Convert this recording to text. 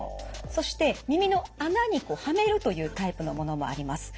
そして耳の穴にはめるというタイプのものもあります。